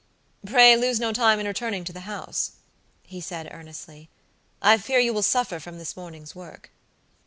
"Pray lose no time in returning to the house," he said earnestly. "I fear you will suffer from this morning's work."